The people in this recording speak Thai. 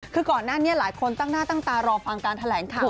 คือก่อนหน้านี้หลายคนตั้งหน้าตั้งตารอฟังการแถลงข่าว